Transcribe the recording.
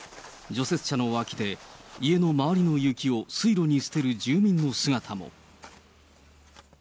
除雪車の脇で、家の周りの雪を水路に捨てる住民の姿も。